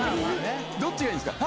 どっちがいいんですか？